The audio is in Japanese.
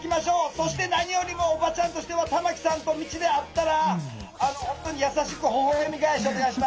そして何よりもおばちゃんとしては玉木さんと道で会ったら本当に優しくほほえみがえしお願いします。